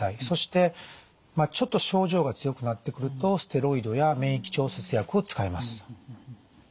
そしてちょっと症状が強くなってくるとステロイドや免疫調節薬を使います。